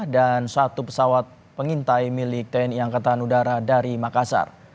dan satu pesawat pengintai milik tni angkatan udara dari makassar